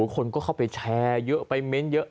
คนก็เข้าไปแชร์เยอะไปเม้นต์เยอะ